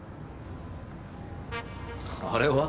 あれは？